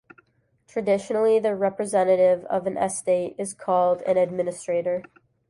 Traditionally, the representative of an estate is called an "administrator".